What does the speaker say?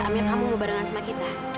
ambil kamu mau barengan sama kita